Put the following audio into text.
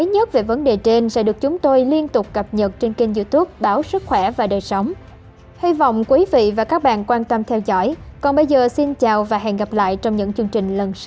hãy đăng ký kênh để ủng hộ kênh của chúng mình nhé